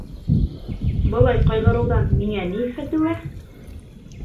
— Былай ҡайғырыуҙан миңә ни фәтеүә?